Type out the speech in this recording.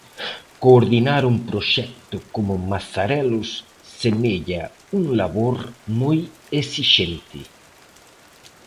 Coordinar un proxecto como Mazarelos semella un labor moi esixente.